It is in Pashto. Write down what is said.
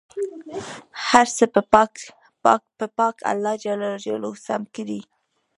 هر څه به پاک الله جل جلاله سم کړي.